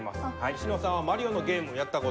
西野さんはマリオのゲームやったことありますか？